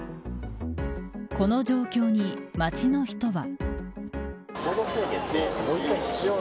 この状況に街の人は。